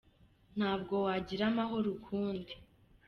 Ntabwo wagira amahoro ukundi.